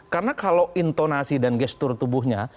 karena kalau intonasi dan gestur tubuhnya